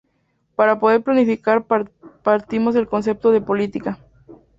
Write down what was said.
Para poder planificar partimos del concepto de política.